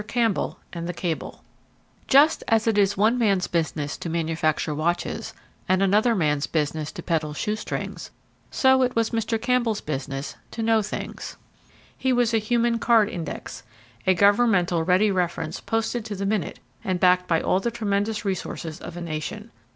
CAMPBELL AND THE CABLE Just as it is one man's business to manufacture watches, and another man's business to peddle shoe strings, so it was Mr. Campbell's business to know things. He was a human card index, a governmental ready reference posted to the minute and backed by all the tremendous resources of a nation.